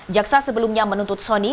jaksa sebelumnya menuntut sony